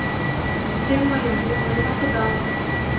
— Те мыйым умылен огыдал.